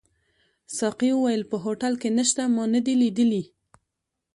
ساقي وویل: په هوټل کي نشته، ما نه دي لیدلي.